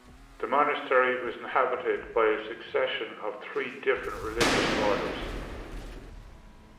The monastery was inhabited by a succession of three different religious orders.